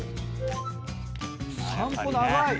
散歩長い！